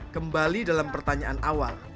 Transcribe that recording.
kembali dalam pertanyaan awal